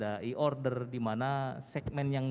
ada e order dimana segmen yang